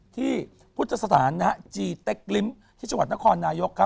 ที่พุทธศาสตร์ณจีเต็กริมที่ชวัดนครนายกครับ